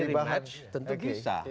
karena ini rematch tentu bisa